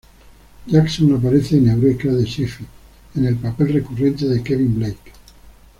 Jackson aparece en "Eureka" de Syfy en el papel recurrente de Kevin Blake.